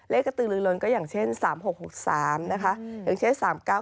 กระตือลือลนก็อย่างเช่น๓๖๖๓นะคะอย่างเช่น๓๙๙